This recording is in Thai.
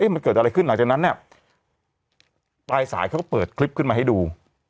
มันเกิดอะไรขึ้นหลังจากนั้นเนี่ยปลายสายเขาก็เปิดคลิปขึ้นมาให้ดู